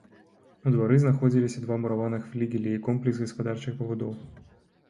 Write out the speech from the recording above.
У двары знаходзіліся два мураваныя флігелі і комплекс гаспадарчых пабудоў.